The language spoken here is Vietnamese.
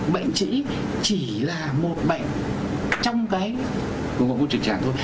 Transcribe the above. bệnh chỉ là một bệnh trong cái vùng hộp môn trực trạng thôi